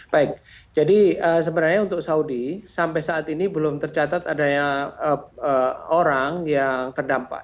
baik jadi sebenarnya untuk saudi sampai saat ini belum tercatat adanya orang yang terdampak